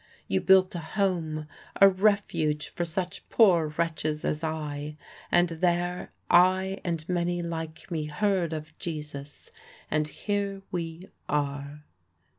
You built a home, a refuge for such poor wretches as I, and there I and many like me heard of Jesus; and here we are."